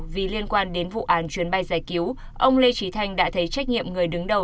vì liên quan đến vụ án chuyến bay giải cứu ông lê trí thanh đã thấy trách nhiệm người đứng đầu